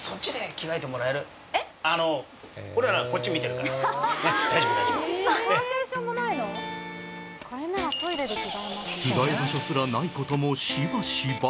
着替え場所すらないこともしばしば。